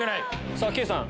さぁ圭さん